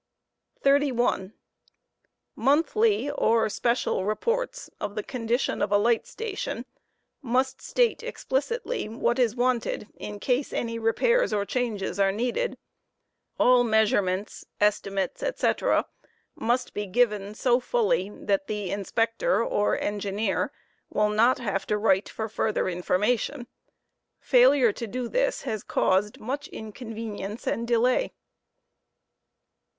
31. Monthly or special reports of the condition of a light station must state Monthly r* explicitly What is wanted$>in rase any repairs or changes are needed. All measure porte * merits, estimates, &c, must be given so fully that the Inspector or Engineer will not have to write for further information. Failure to do this has caused much incon venience and delay.